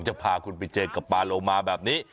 จะพาคุณไปเจอกับปาโลมาแบบนี้